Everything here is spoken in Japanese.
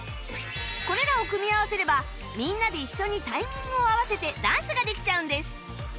これらを組み合わせればみんなで一緒にタイミングを合わせてダンスができちゃうんです